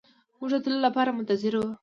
موږ د تللو لپاره منتظر وو.